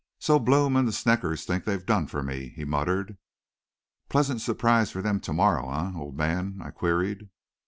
"So Blome and the Sneckers think they've done for me," he muttered. "Pleasant surprise for them to morrow, eh, old man?" I queried.